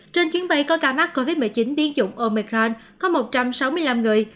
trên chuyến bay có ca mắc covid một mươi chín tiến dụng omercrand có một trăm sáu mươi năm người